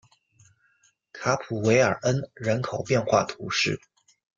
卡普韦尔恩人口变化图示